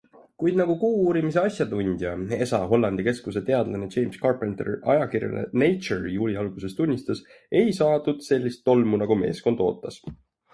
Kuid, nagu Kuu-uurimise asjatundja, ESA Hollandi keskuse teadlane James Carpenter ajakirjale Nature juuli algul tunnistas, ei saadud sellist tolmu, nagu meeskond ootas.